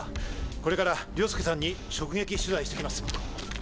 これから凌介さんに直撃取材します。